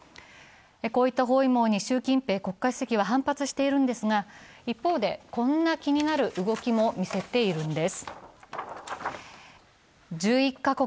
こういった包囲網は習近平国家主席は反発しているんですが一方で、こんな気になる動きも見せているんです。